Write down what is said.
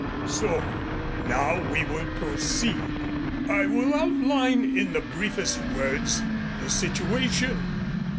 So Now we will proceed. I will outline in the briefest words the situation.